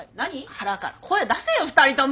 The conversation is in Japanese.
腹から声出せよ２人とも。